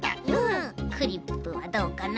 クリップはどうかな？